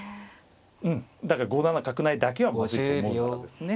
うんだから５七角成だけはまずいと思うならですね。